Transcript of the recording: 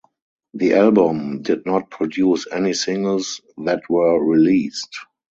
The album did not produce any singles that were released.